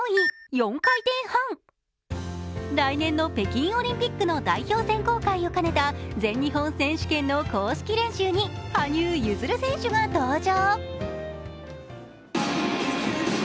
来年の北京オリンピックの代表選考会を兼ねた全日本選手権の公式練習に羽生結弦選手が登場。